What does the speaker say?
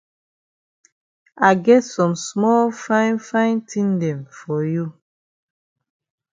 I get some small fine fine tin dem for you.